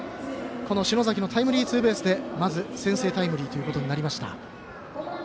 篠崎のタイムリーツーベースでまず先制タイムリーとなりました。